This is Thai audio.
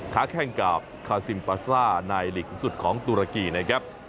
แข้งกับคาซิมปาซ่าในหลีกสูงสุดของตุรกีนะครับ